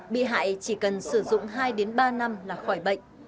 bị hại chỉ cần sử dụng hai ba năm là khỏi bệnh